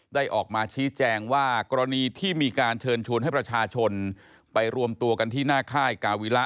ออกมาชี้แจงว่ากรณีที่มีการเชิญชวนให้ประชาชนไปรวมตัวกันที่หน้าค่ายกาวิระ